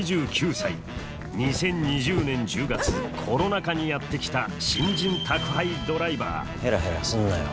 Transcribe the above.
２０２０年１０月コロナ禍にやって来た新人宅配ドライバーヘラヘラすんなよ。